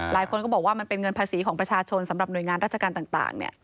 หลายคนก็บอกว่ามันเป็นเงินภาษีของประชาชนสำหรับหน่วยงานราชการต่าง